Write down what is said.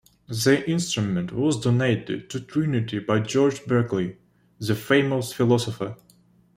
The instrument was donated to Trinity by George Berkeley, the famous philosopher.